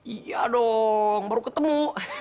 iya dong baru ketemu